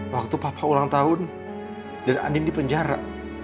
waktu papa ulang tahun dan andin di penjara